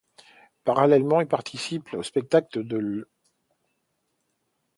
Parallèlement, il participe aux spectacles de l'.